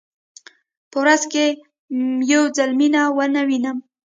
په ورځ کې که یو ځل مینه ونه وینم.